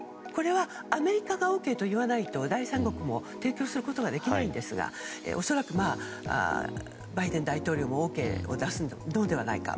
アメリカがＯＫと言わないと第３国も提供することができないんですが恐らくバイデン大統領もＯＫを出すのではないかと。